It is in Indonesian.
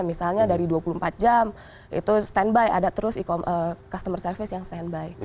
misalnya dari dua puluh empat jam itu standby ada terus customer service yang standby